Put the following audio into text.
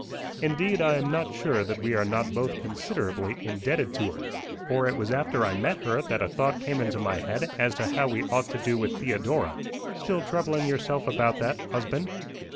"Indeed, I am not sure that we are not both considerably indebted to her; for it was after I met her that a thought came into my head as to how we ought to do with Theodora." "Still troubling yourself about that, husband?"